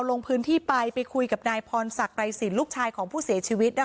ลงพื้นที่ไปไปคุยกับนายพรศักดิ์ไรสินลูกชายของผู้เสียชีวิต